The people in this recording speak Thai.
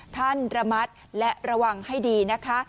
ท่านระมัดและระวังให้ดีนะคะ